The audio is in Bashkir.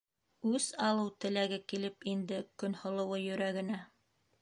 Үс алыу теләге килеп инде Көнһылыуы йөрәгенә.